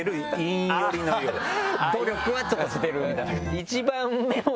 努力はちょっとしてるみたいな。